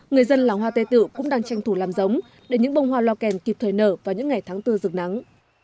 người dân làng hoa tết tự cũng đang tranh thủ làm giống để những bông hoa lo kèn kịp thời nở vào những ngày tháng tư dược nắng